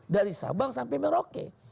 dari sabang sampai merauke